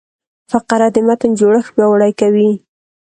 فقره د متن جوړښت پیاوړی کوي.